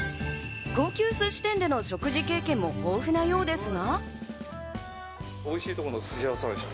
高級寿司店での食事経験も豊富なようですが。